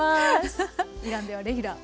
イランではレギュラー。